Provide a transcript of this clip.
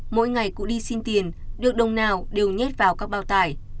mỗi ngày cụ đi xin tiền được đồng nào đều nhét vào các bao tải